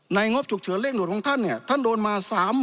งบฉุกเฉินเร่งด่วนของท่านเนี่ยท่านโดนมา๓๐๐๐